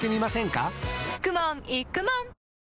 かくもんいくもん